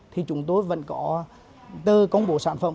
thì chúng tôi vẫn có từ công bố sản phẩm